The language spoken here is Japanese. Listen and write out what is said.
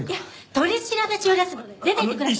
取り調べ中ですので出て行ってください！